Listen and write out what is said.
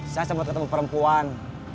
saya sempat ketemu perempuan